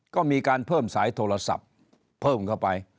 ก็มีการเพิ่มสายโทรศัพท์เพิ่มเข้าไป